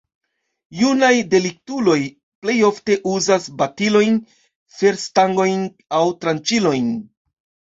Junaj deliktuloj plej ofte uzas batilojn, ferstangojn aŭ tranĉilojn.